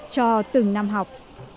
cho từng năm học